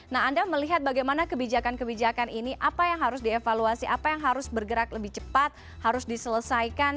nah anda melihat bagaimana kebijakan kebijakan ini apa yang harus dievaluasi apa yang harus bergerak lebih cepat harus diselesaikan